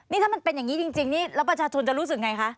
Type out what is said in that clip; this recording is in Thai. นี่ถ้ามันเป็นอย่างนี้จริงนี่แล้วประชาชนจะรู้สึกไงคะ